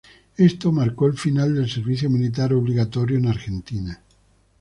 Esto marcó el final del servicio militar obligatorio en Argentina.